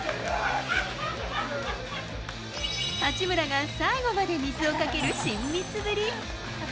八村が最後まで水をかける親密ぶり。